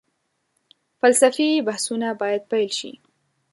فلسفي بحثونه باید پيل شي.